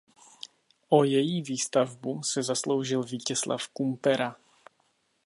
O její výstavbu se zasloužil Vítězslav Kumpera.